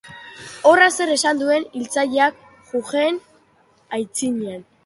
Horra zer esan duen hiltzaileak jujeen aitzinean.